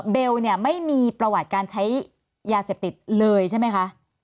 เบลเนี่ยไม่มีประวัติการใช้ยาเสพติดเลยใช่ไหมคะ